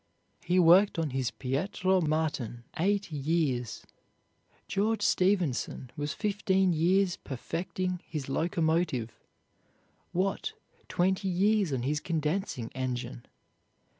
He worked on his Pietro Martyn eight years. George Stephenson was fifteen years perfecting his locomotive; Watt, twenty years on his condensing engine.